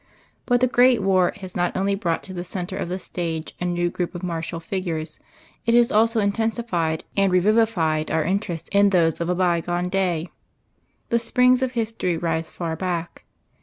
But the Great War has not only brought to the center of the stage a new group of martial figures it has also intensified and revivified our interest in those of a bygone day. The springs of history rise far back.